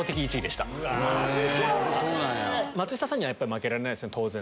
松下さんには負けられないですね当然。